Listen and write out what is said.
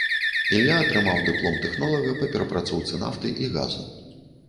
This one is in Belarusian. Ілля атрымаў дыплом тэхнолага па перапрацоўцы нафты і газу.